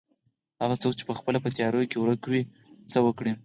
هغه څوک چې پخپله په تيارو کې ورکه وي څه وکړي.